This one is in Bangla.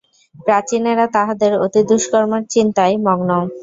প্রাচীনেরা তাহাদের অতীত দুষ্কর্মের চিন্তায় মগ্ন।